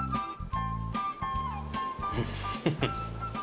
フフフッ。